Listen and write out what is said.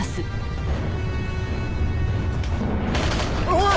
おい！